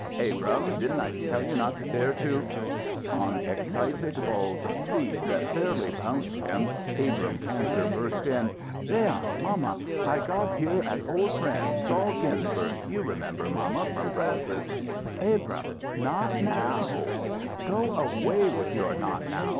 "Abrahm, didn't I tell you not to dare to " On excited balls of feet that fairly bounced him, Abrahm Kantor burst in. "Leon mamma I got out here an old friend Sol Ginsberg you remember, mamma, from brasses " "Abrahm not now " "Go way with your 'not now!'